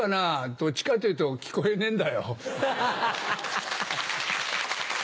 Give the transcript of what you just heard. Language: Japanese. どっちかというと聞こえねえんだよ。